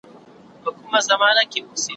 جهنم ته ځه چي ځاي دي سي اورونه